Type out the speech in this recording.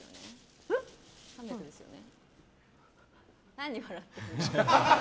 何笑ってるの？